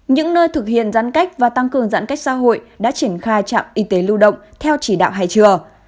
những nơi thực hiện giãn cách và tăng cường giãn cách xã hội đã triển khai trạm y tế lưu động theo chỉ đạo hải trường